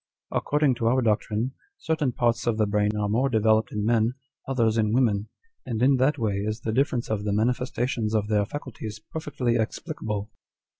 According to our doctrine, certain parts of the brain are more developed in men, others in women ; and in that way is the difference of the manifestations of their faculties perfectly explicable."